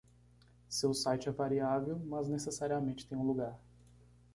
Seu site é variável, mas necessariamente tem um lugar.